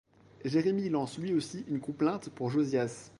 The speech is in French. Jérémie lance lui aussi une complainte pour Josias.